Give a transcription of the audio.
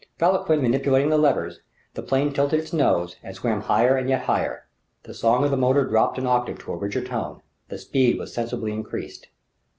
Vauquelin manipulating the levers, the plane tilted its nose and swam higher and yet higher. The song of the motor dropped an octave to a richer tone. The speed was sensibly increased.